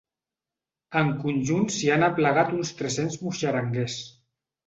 En conjunt s’hi han aplegat uns tres-cents muixeranguers.